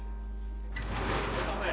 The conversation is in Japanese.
いらっしゃいませ。